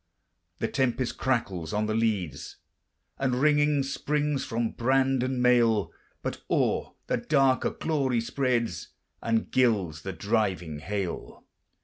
The tempest crackles on the leads, And, ringing, springs from brand and mail; But o'er the dark a glory spreads, And gilds the driving hail.